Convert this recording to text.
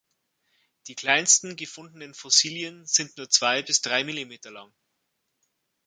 Die kleinsten gefundenen Fossilien sind nur zwei bis drei Millimeter lang.